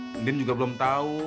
mending juga belum tau